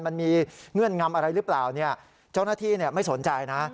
มันมีเงื่อนงำอะไรรึเปล่านี่เจ้าหน้าที่ไม่สนใจนะ